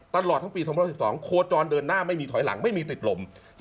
ตลอดทั้งปี๒๐๑๒โคจรเดินหน้าไม่มีถอยหลังไม่มีติดลม